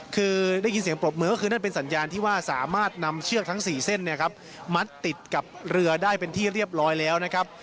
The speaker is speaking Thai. คือได้ยินเสียงปรบมือก็คือนั่นเป็นสัญญาณที่ว่าสามารถนำเชือกทั้ง๔เส้นเนี่ยครับมัดติดกับเรือได้เป็นที่เรียบร้อยแล้วนะครับ